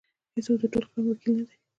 هیڅوک د ټول قوم وکیل نه دی.